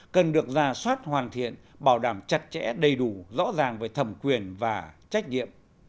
cần được ra soát hoàn thiện bảo đảm chặt chẽ đầy đủ rõ ràng về thẩm quyền và trách nhiệm